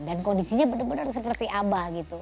dan kondisinya bener bener seperti abah gitu